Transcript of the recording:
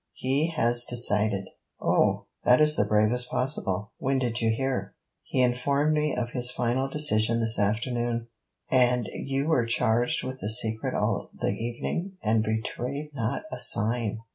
He has decided!' 'Oh! that is the bravest possible. When did you hear?' 'He informed me of his final decision this afternoon.' 'And you were charged with the secret all the evening, and betrayed not a sign!